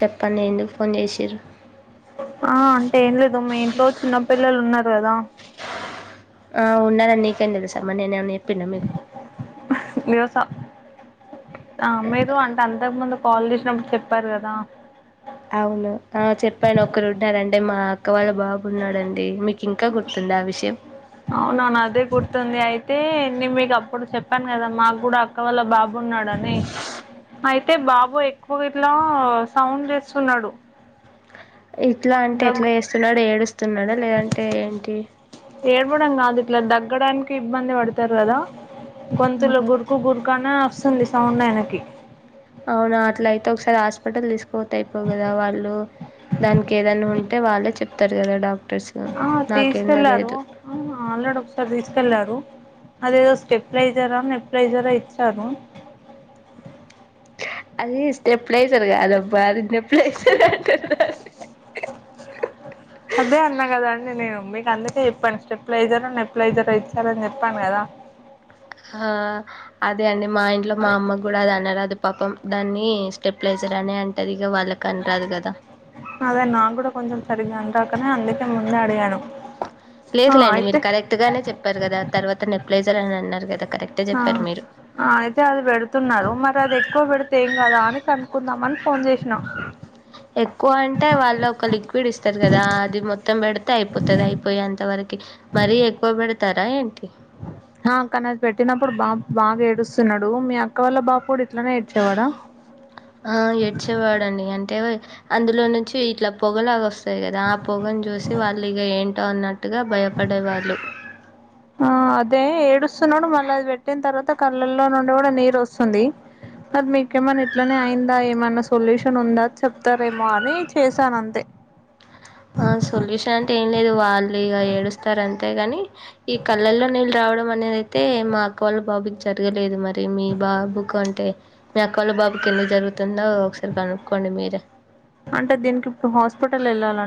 చెప్పండి ఎందుకు ఫోన్ చేసిర్రు ఆ అంటే ఏం లేదు మీ ఇంట్లో చిన్నపిల్లలు ఉన్నారు పేదా ఆ ఉన్నారని నీకేం తెలుసమ్మా నేనేమైనా చెప్పి పిన్న మీకు వ్యవసా ఆ అమ్మేదో అంటే అంతకు ముందు కాల్ చేసినప్పుడు చెప్పారు కదా టే మా అక్కవాళ్ళ బాబు ఉన్నాడండి మీకు ఇంకా గుర్తుంద ఆ విషయం అవునవును అదే గుర్తుంది అయితే నేను మీకు అప్పుడు చెప్పాను కదా మాకు కూడా అక్క వాళ్ళ బాబు బన్నాడుని అయితే బాబో ఎక్కువ ఇట్లా సౌండ్ చే సున్నాడు ఎట్లా అంటే ఎట్లా చేస్తున్నాడు ఏడుస్తున్నాడా లేదంటే ఏంటి తగ్గడానికి ఇబ్బంది పడతారు కదా గొంతులో గురుకు గురుకు అనే వస్తు వస్తుంది సౌండ్ ఆయనకి అవునా అట్ల అయితే ఒకసారి హాస్పిటల్ తీసుకు పోతే అయిపో కదా వాళ్ళు దానికి ఏదైనా ఉంటే అంటే వాళ్ళే చెప్పుతారు కదా డాక్టర్ ఆ తీసుకెళ్లారు ఆ ఆల్రెడీ ఒకసారి తీసుకెళ్లారు అదేదో స్టెప్ ప్రైజరా నెప్ ప్రైజరా ఇచ్చారు అది స్టెప్ ప్లేస్ర్గా కాదమ్మా అది నేబ్లైజర్ అదే అన్నా కదండి నేను మీకు అందుకే చెప్పండి స్టెప్లైజర్ నెప్లైజర్ ఇచ్చారని చెప్పాను కదా ఆ అదే అండి మా ఇంట్లో మా అమ్మ కూడా అది అన్నరాదు పాపం దాన్ని స్టెప్లైజర్ అనే అంటది ఇగ వాళ్ళకని రాదు గదా! అదే నా కూడా కొంచెం సరిగ్గా ఆనరాదు పక్కనే అందుకే ముందు అడిగాడు లేదులేండి మీరు కరెక్ట్ గానే చెప్పారు కదా తర్వాత నే ప్లేజ అని అన్నారు కదా ఆ అయితే అది పెడుతున్నారు మరి అది ఎక్కువ పెడితే ఏం కదా అని కనుకుందామని ఫోన్ చేసిన పిడిస్తారు కదా అది మొత్తం పెడితే అయి పాతది అయిపోయి అంత వరకు మరీ ఎక్కువ పెడతారా ఏంటి ఆ అక్క నా పెట్టినప్పుడు బాబు బాగా ఏడుస్తున్నాడు మీ అక్క వాళ్ళ బాబు కూడా ఇట్లనే ఏడ్చేవాడా ఆ ఏడ్చేవాడండి అంటే అందులో నుంచి ఇట్లా పొగలాగా వస్తాయి కదా ఆ పొగను చూసి వాళ్ళు ఇక ఏంటో అన్నట్టు ఆ అదే ఏడుస్తున్నడు మళ్ళ ఆది పెట్టిన తర్వాత కళ్ళల్లో నుండి కూడా నీరు వస్తుంది మరి మీకేమ ఇట్లోనే అయిందా ఏమన్నా సొల్యూషన్ ఉందా చెప్తారేమో అని చేశాను అంతే ఆ సొల్యూషన్ ఆంటే లేదు వాళ్ళు ఇక ఏడుస్తారు అంతే గాని ఈ కళ్ళల్లో నీళ్ళు రావడం అనేది అయితే మా అక్క వాళ్ళ బాబుకి జరగలేదు మరి అదే మీ బాబుకుంటే మీ అక్కవాళ్ళ బాబుకి ఎందుకు జరుగుతుందో ఒకసారి కనుక్కోండి మీరే అంటే దీనికి ఇప్పుడు హాస్పిటల్ వెళ్ళాల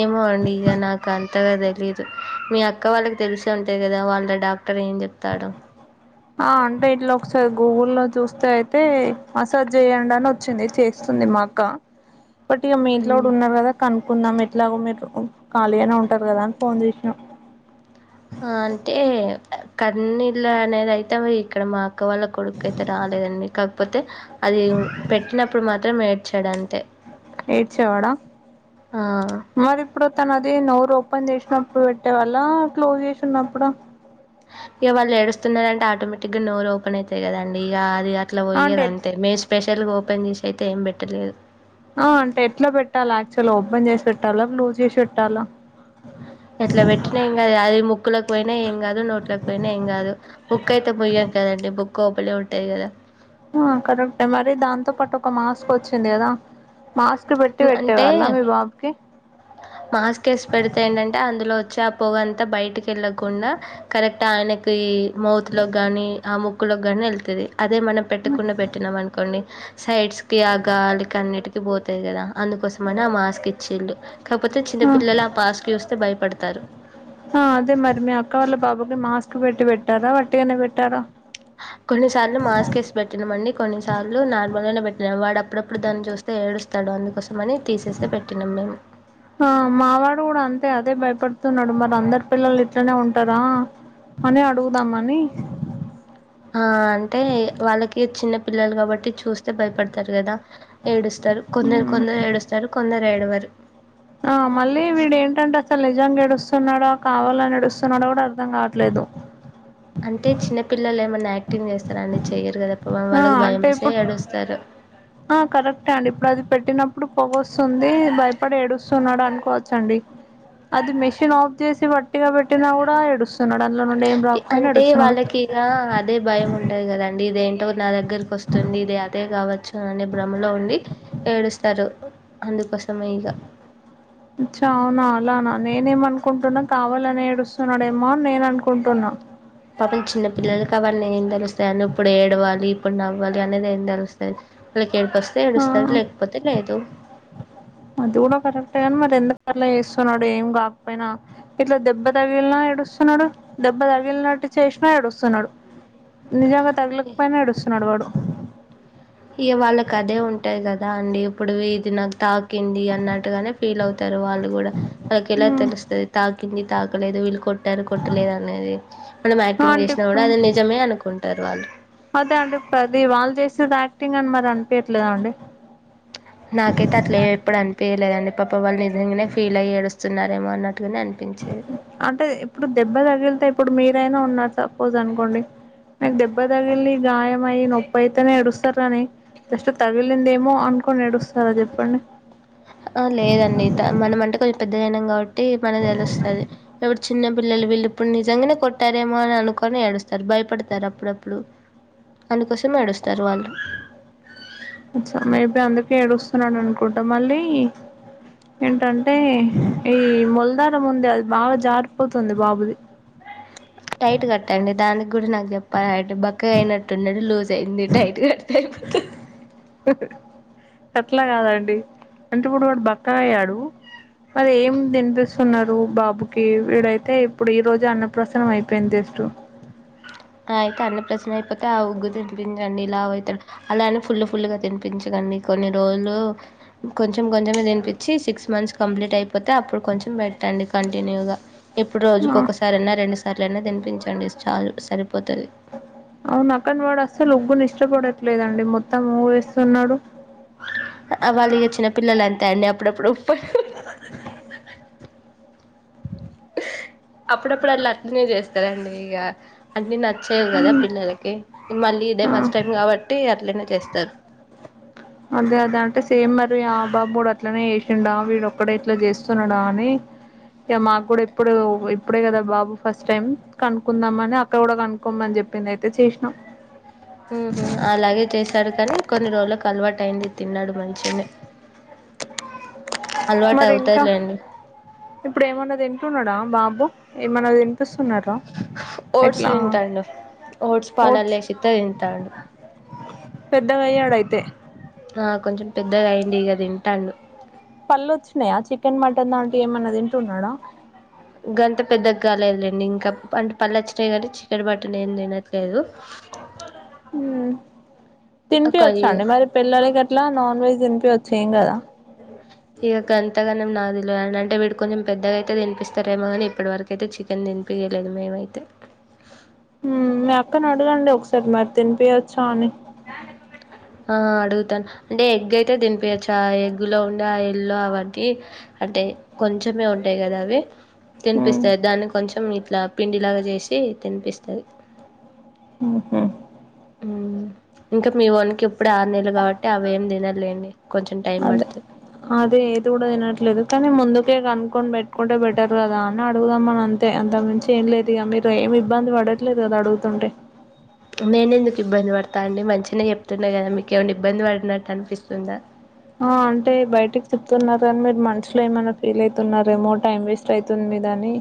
ఏమో అండి ఇక నాకుంతగాతలిదు మీ అక్క వాళ్ళకి తెలిసే ఉంటది కదా వాళ్ళ డాక్టర్ ఏం చెప్తాడు ఆ అంటే ఇట్లా ఒకసారి గూగుల్లో లో చూస్తే అయితే మసాజ్ చేయండి అని వచ్చింది చేస్తుంది మా అక్క ఏటీఎం మీ ఇంట్లో ఉందా లేదా కనుక్కుం కుందాం ఎట్లాగో మీరు ఖాళీగనే ఉంటరు కదా అని ఫోన్ చేసిన ఆ అంటే కన్నీళ్లు అనేది అయితే ఇక్కడ మాకు క్క వాళ్ళ కొడుకు అయితే రాలేదండి కాకపోతే అది పెట్టినప్పుడు మాత్రం మాత్రం ఏడ్చాడంతే ఏడ్చేవాడా ఆ మరి ఇప్పుడు తనది నోరు పని చేసినప్పుడు పెట్టే వాళ్ళ క్లోజ్ చేసిన్నప్పుడ ఇక వాళ్ళు ఏడుస్తున్నారంటే ఆటోమేటిక్గా నోర్ ఓపెన్ అయితయి కదండి ఇక అది అట్లా పోయేది అంటే అంతే మేము స్పెషల్ పని చేసి అయితే ఏం పెట్టలేదు ఆ ట్టాల బ్లూజేష వెట్టాల ఎట్లా పెట్టినా ఎంకాదు అది ముక్కులకు పోయినా ఏం కాదు నోట్ల పోయినా ఏం కాదు బుక్ అయితే ముయ్యం కదండి బుక్ ఓపెనే ఉంటాయి కదా ఆ కరెక్ట్ మరి దాంతో పాటు ఒక మాస్క్ వచ్చింది కదా మాస్క్ పెట్టి అంటే పెట్టేవాళ్ళ మీ బాబుకి మాస్క్ వేసి పెడితే ఏంటంటే అందులో వచ్చి పోగంత బయటికి కెళ్ళకుండ కరెక్ట్ ఆయనకి మౌత్లో కానీ ఆ ముక్కులోకి కానీ వెళ్తది అదే మనం పెట్టకుండా పెట్టినాం అనుకోండి సైడ్స్ కి ఆ గాలి కన్నిటి ఇ త్ పో తేఆది కదా అందుకోసమని ఆ మాస్క్ ఇచ్చిండు కాకపోతే చిన్నపిల్లలు ఆ మాస్క్ చూస్తే భయపడతారు ఆ టి వెట్టార వట్టిగనే వెట్టార కొన్నిసార్లు మాస్క్ వేసి పెట్టినమండి కొన్నిసార్లు నార్మల్గానే పెట్టినాం వాడు అప్పుడప్పుడు దాన్ని చూస్తే ఏడుస్తాడు అందుకోసమని తీసేస్తే పెట్టినాం మేము ఆ మావాడు కూడా అంతే అదే భయపడుతున్నాడు మరి అందరు పిల్లలు ఇట్లనే ఉంటారా అని అడుగుదామని ఆ! అంటే వాళ్ళకి చిన్న పిల్లలు కాబట్టి చూస్తే భయపడతారు కదా ఏడుస్తారు కొందలు మ్మ్. కొందరు ఏడుస్తారు కొందరు ఏడువరు ఆ మళ్ళీ వీడు ఏంటంటే అసలు నిజంగా ఏడుస్తున్నాడో కావాలని ఏడుస్తున్నాడో కూడా అర్థం కావట్లేదు అంటే చిన్నపిల్లలు ఎమన్నా యాక్టింగ్ చేస్తార అండి చెయరు కదా ఆ అంటే ఇప్పుడు ఆ కరెక్టే అండి ఇప్పుడు అది పెట్టిన ఇప్పుడు పొగొస్తుంది భయపడి ఏడుస్తున్నాడు అనుకోవచ్చండి అది మెషన్ ఆఫ్ చేసి వట్టిగా పెట్టినా కూడా ఎడుస్తు అంటే వాళ్ళకి ఇలా అదే భయం ఉంటది కదండి ఇదేంటో నా దగ్గరకి వస్తుంది ఇది అదే కావచ్చు అని భ్రమలో ఉండి ఏడుస్తారు అందుకొస అచ్చా అవున అలానా నేనేమ అనుకుంటున్నా కావాలని ఏడుస్తున్నాడేమో నేను అనుకు పాపలు చిన్నపిల్లల కావడి నే తెలుస్తా వను ఇప్పుడు ఏడవాలి ఇప్పుడు నవ్వాలి అనేది ఏం తెలుస్తుంది ఏడ్పు వస్తే ఆ ఏడుస్తడు లేకపోతే లేదు అది కూడా కరెక్ట్గాని మరి ఎంత పర్లే చేస్తున్నాడు ఏం కాకపోయినా ఇట్లా దెబ్బ తగిలినా ఎడుస్తున్నాడు దబ్బ తగిలినట్టు చేసినా ఏడుస్తున్నాడు నిజాంగా తగలికపోయినా ఏడుస్తున్నాడు వాడు ఇ వాళ్ళకి అదే ఉంటాయి కదా అండి ఇప్పుడు ఇది నాకు తాకింది అన్నట్టుగానే ఫీల్ అవుత వాళ్ళు కూడా వాళ్ళకి ఎలా తెలుస్తుంది తా కింది తాకలేదు విళ్కొట్ రు కొట్టలేదు అనేది మనం యాక్టింగ్ ఆంటీ చేసినా కూడా ఇప్పుడు అది నిజమే అనుకుంటారు వాళ్ళు టింగ్ అని మరి అనిపయట్లేదా అండి నాకైతే అట్ల ఏ ఎప్పుడు అనిపయలేదండి పాప వాళ్ళు నిజంగానే ఫీలయి ఏడుస్తున్నారేమో అన్నటుగానే అనిపిస్ అంటే ఇప్పుడు దెబ్బ తగిలితే ఇప్పుడు మీరైనా ఉన్నారు సపోజ్ అనుకోండి మీకు దెబ్బ తగిలి గాయం అయి్యి నొప్పి అయితేనే ఏడుస్తారాని జస్ట్ తగిలిందేమో అనుకోని ఏడుస్తారా చెప్పండి ఆ లేదండి మనం అంటే కొ పెద్దదనాం కాబట్టి మనది తెలుస్తుంది ఎప్పుడు చిన్న పిల్లలు వీళ్ళు ఇప్పుడు నిజంగానే కొట్టారేమో అని అనుకొని ఏడుస్తారు భయపడతారు అప్పుడప్పుడు అందుకోసం ఏడుస్తారు వాళ్ళు అ మేబి అందుకే ఏడుగుస్తున్నాడు అనుకుంటా మళ్ళీ ఏంటంటే ఈ ములధారం ఉంది అది బాగా జారిపోతుంది బాబుది [unintelligible] అ బక్క అయినట్టున్నడు లూజ్ అయింది టైట్గా [unintelligible] పక్క అట్లా కాదండి అంటే ఇప్పుడు వాడు బక్క అయ్యాడు మరి ఏం తినిపిస్తున్నారు బాబుకి వీడైతే ఇప్పుడు ఈ రోజు అన్నప్రసన్నం అయిపోయింది జస్టు అయితే అన్నప్రాసన అయిపోతే ఆ ఉగ్గు తినిపించండి ఇలా అవుతడు అలా అని ఫుల్ ఫుల్ గా తినిపించకండి కొన్ని రోజులు కొంచెం కొంచము తినిపించి సిక్స్ మంత్స్ కంప్లీట్ అయిపోతే అప్పుడు కొంచెం పెట్టండి కంటిన్యూగా ఇప్పుడు రోజుకు ఆ ఒకసారి అయినా రెండు సార్లు అనా తినిపించండి చాలు సరిపో అవునా అక్క కానీ వాడు అస్సలు ఉగ్గనీ ఇష్టపడ చూడట్లేదండి మొత్తం మూవేస్తున్నాడు. వాళ్ళకి వచ్చిన పిల్లలు అంతే అండి అప్పుడప్పుడుప్పుడు అప్పుడప్పుడు అళ్ళు అట్నే చేస్తారండి ఇక అన్ని నాకు చ్చేవు కదా పిల్లలకి మళ్ళీ ఇదే ఆ ఫస్ట్ టైమ్ కాబట్టి అట్లనే చేస్తారు అదే అద అంటే సేమ్ మరి ఆ బాబు కూడా అట్లనే చేసిండా వీడు ఒక్కడే ఇట్ల చేస్తున్నాడా అని ఇక మాకు కూడా ఇప్పుడు ఇప్పుడే కదా బాబు ఫస్ట్ టైం కనుకుందాం అని అక్కడ కూడా కనుకోమని చెప్పింది అయితే చేసినా ఊహుమ్ అలాగే చేశాడు కానీ కొన్ని రోజులకు అలవాటు టయ్యింది తిన్నాడు మంచిగనే మరి ఇంకా ఇప్పుడు ఏమన్న దింటున్నాడా బాబు ఏమైన విన్పిస్తున్నార ఓట్స్ తింటాండు ఓట్స్ పాలల్లో వేసితే తింటాండు. ఐతే ఆ కొంచెం పెద్దగా అయిండిక తింటాడు. పళ్ళు స్తున్నాడా? గంత పెద్దగా కాలేదులేండి. ఇంకా అంటే పళ్ళు వచ్చినాయ్ కానీ చికెన్ మటన్ ఏం తినట్లేదు ఒక తినిపియచ్చాండి మరి పిల్లలకి అట్లా నాన్ వెజ్ తినిపియాదు చు ఏంగాదా ఇగ గంతగానం నాకు తెలువదండి అంటే వీడు కొంచెం పెద్దగా అయితే తినిపిస్తారేమో కానీ ఇప్పటివరకయితే చికెన్ తినిపియలేదు మేమైతే మీ అక్కను అడుగండి ఒకసారి మరి తినిపియచ్చా అని, ఆ అడుగుతాను అంటే ఎగ్ అయితే తినిపయచ్చ ఎగ్గులో ఉండే ఆ ఎల్లొ అవంటి అంటే కొంచెమే ఉంటాయి కదా అవి తినిపిస్తాయి దాన్ని కొంచెం ఇట్లా పిండిలాగా చేసి తినిపిస్తాయి ఉహు ఉ ఇంకా మీ వోన్కి ఇప్పుడే ఆరు నెలు కావట్టి అవి ఏం తినరులేండి కొంచెం టైం అదే పడుతే అదే ఏది కూడా తినట్లేదు కానీ ముందుకే కనుక్కొని పెట్టుకుంటే బెటర్ కదా అని అడుగుదాం అని అంతే అంతకుమించి ఏం లేదు ఇక మీరు ఏమి ఇబ్బంది పడట్లేదు కదా అడుగుతుంటే తాండి మంచిగానే చెప్తున్నా కదా మీకు ఏమైనా ఇబ్బంది పడినట్టు అనిపిస్తుందా ఆ అంటే బయటికి చెప్తున్నారు గని మీరు మనుసులో ఏమైనా ఫీల్ అయితున్నారేమో టైం వేస్ట్ అయితుంది మీదని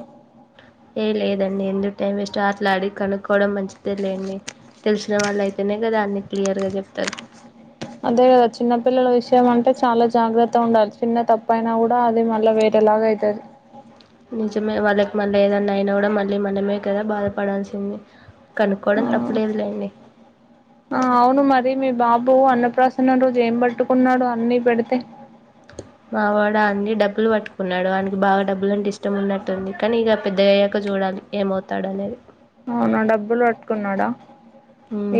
ఏ లేదండి ఎందుకు టైం వేస్ట్ ఆట్లా అడిగి కనుక్కోవడం మంచిది తెలియండి తెలిసిన వాళ్ళ అయి అయితనే గదా అండి క్లియర్గా చెప్తరు అదే కదా చిన్నపిల్లల విషయం అంటే చాలా జాగ్రత్త ఉండాలి చిన్న తప్ప అయినా కూడా అది మళ్ళా వేరేలాగ అయితది నిజమే వాళ్ళకి మళ్ళ ఏదన్నా అయినా కూడా మళ్ళీ మనమే కదా బాధపడాల్సింది కనుక్కోవడం తప్పులేదులేండి రో అన్నప్రాసన రోజు ఏం పట్టుకున్నాడు అన్నీ పెడితే మావాడ అండి డబ్బులు పట్టుకున్నాడు ఆనికి బాగా డబ్బులు అంటే ఇష్టం ఉన్నట్టుంది కానీ ఇగ పెద్దగ అయ్యాక చూడాలి ఏమవుతాడు అనేది అవునా డబ్బులు పట్టుకున్నాడా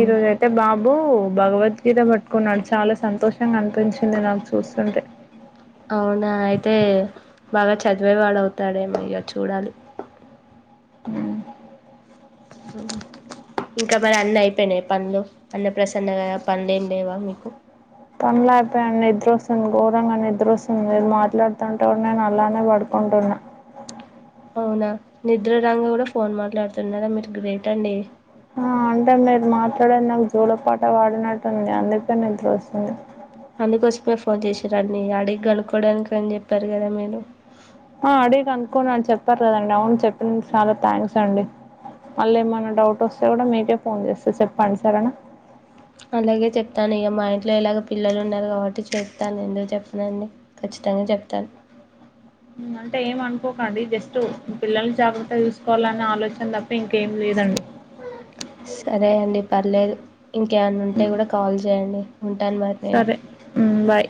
ఈ రోజై అయితే బాబు బో భగవద్గీత పట్టుకున్నాడు చాలా సంతోషంగా అనిపించింది నాకు చూస్తుంటే అవునా అయితే బాగా చదివేవాడు అవుతాడేమో ఇగ చూడాలి అ ఉ ఇంకా మరి అన్నీ అయిపెనయ పనులు అన్న ప్రసన్న కదా పనులు ఏం లేవా మీకు పనులు అయిపోయా నిద్ర వస్తుంది ఘోరంగా నిద్ర వస్తుంది మీరు మాట్లాడుతుంటే నేను అలానే పడుకుంటున్నా అవునా నిద్ర రాంగ కూడా ఫోన్ మాట్లాడుతున్నారా మీరు గ్రేట్ అండి ఆ అంటే మీరు మాట్లాడేది నాకు జోలపాట పాడినట్టుంది అందుకే నిద్రస్తుంది అందుకోసమే ఫోన్ చేసిరండి అడిగి కనుక్కోవడానికి అని చెప్పారు కదా మీరు ఆ అడిగి కనుకొని అని చెప్తారు కదండి అవును చెప్పిన చాలా థ్యాంక్స్ అండి మళ్ళీ ఏమైనా డౌట్ వస్తే కూడా మీకే ఫోన్ చేస్తే చెప్పండి సరేనా అలాగే చెప్తాను ఇక మా ఇంట్లో ఇలాగొ పిల్లలు ఉన్నారు కాబట్టి చెప్తాను ఎందుకు చెప్పనండి ఖచ్చితంగా చెప్తాను అంటే ఏం అనుకోకండి జస్ట్ పిల్లల్ని జాగ్రత్త చూస్ పోలన్నీ ఆలోచనలు అత్ ఇంకేం లేదండి సరే అండి పర్లేదు ఇంకేమన్న ఉంటే కూడా కాల్ చేయండి ఉంటాను మరి నేను సరే బాయ్